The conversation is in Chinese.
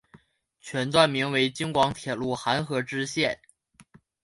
全段名为京广铁路邯和支线。